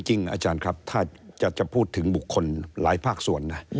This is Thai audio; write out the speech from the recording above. อาจารย์ครับถ้าจะพูดถึงบุคคลหลายภาคส่วนนะ